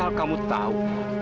bagaimana kamu tahu